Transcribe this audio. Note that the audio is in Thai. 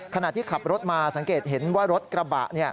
ขณะที่ขับรถมาสังเกตเห็นว่ารถกระบะ